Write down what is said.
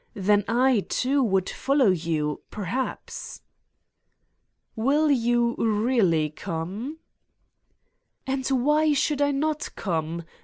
Then, I, too, would follow you ... perhaps ! "Will you really come?" "And why should I not come?